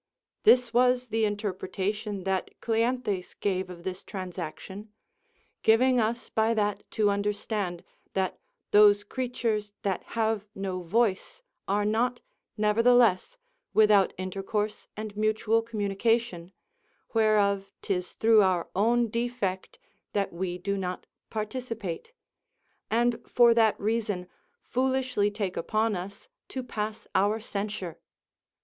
This was the interpretation that Cleanthes gave of this transaction, giving us by that to understand that those creatures that have no voice are not, nevertheless, without intercourse and mutual communication, whereof 'tis through our own defect that we do not participate; and for that reason foolishly take upon us to pass our censure.